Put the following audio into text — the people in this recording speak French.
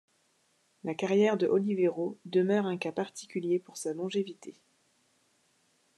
La carrière de Olivero demeure un cas particulier pour sa longévité.